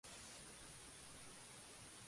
El conjunto es de aspecto sobrio y funcional.